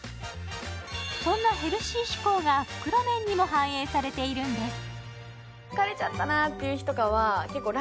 そんなヘルシー志向が袋麺にも反映されているんです。